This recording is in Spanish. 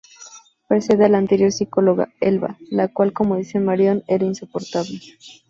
Precede a la anterior psicóloga, Elba, la cual como dice Marion era insoportable.